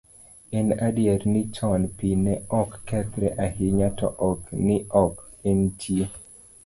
En adier ni chon pi ne ok kethre ahinya to ok ni ok entie.